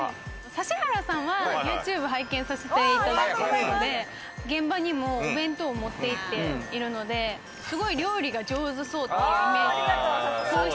指原さんはＹｏｕＴｕｂｅ拝見させていただいているので、現場にもお弁当を持って行っているので、すごい料理が上手そうっていうイメージが。